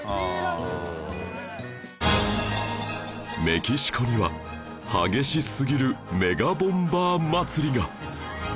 メキシコには激しすぎるメガボンバー祭りが